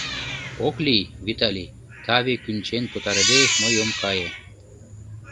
Ок лий, Виталий, таве кӱнчен пытарыде, мый ом кае.